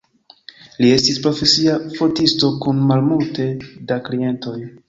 Li estis profesia fotisto kun malmulte da klientoj.